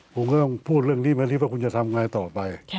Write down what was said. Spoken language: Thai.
ผมก็ต้องพูดเรื่องนี้มาที่ว่าคุณจะทำไงต่อไป